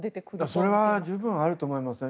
それは十分あると思いますね。